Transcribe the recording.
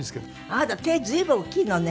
あなた手随分大きいのね。